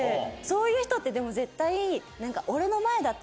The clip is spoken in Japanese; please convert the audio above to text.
そういう人ってでも絶対。